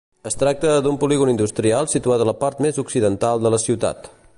Es tracta d'un polígon industrial situat a la part més occidental de la ciutat.